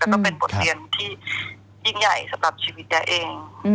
แล้วก็เป็นบทเรียนที่ยิ่งใหญ่สำหรับชีวิตแก๊เอง